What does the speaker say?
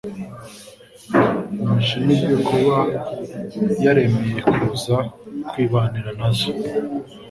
Nashimirwe kuba yaremeye kuza kwibanira na zo